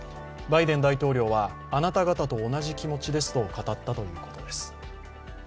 バイデン大統領は、あなた方と同じ気持ちですと語ったということです。